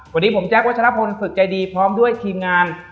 วันนี้ผมแจ๊ควัชลพลฝึกใจดีพร้อมด้วยทีมงาน